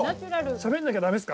しゃべらなきゃダメですか？